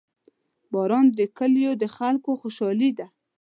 • باران د کلیو د خلکو خوشحالي ده.